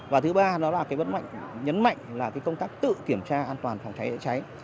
và thứ ba đó là cái vấn mạnh nhấn mạnh là cái công tác tự kiểm tra an toàn phòng cháy chữa cháy